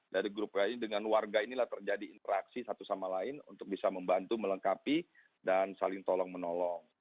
dari grup k ini dengan warga inilah terjadi interaksi satu sama lain untuk bisa membantu melengkapi dan saling tolong menolong